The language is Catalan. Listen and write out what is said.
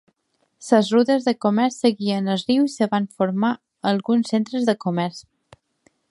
Les rutes de comerç seguien el riu i es van formar alguns centres de comerç.